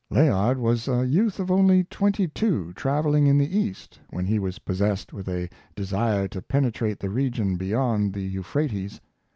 Layard was a youth of only twenty two, traveling in the East, when he was possessed with a de sire to penetrate the regions beyond the Euphrates.